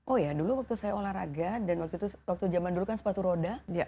oh ya dulu waktu saya olahraga dan waktu zaman dulu kan sepatu roda